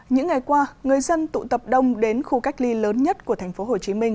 những ngày qua người dân tụ tập đông đến khu cách ly lớn nhất của tp hcm